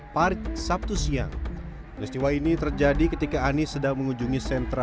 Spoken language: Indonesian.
parit sabtu siang peristiwa ini terjadi ketika anies sedang mengunjungi sentra